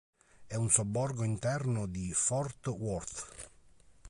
È un sobborgo interno di Fort Worth.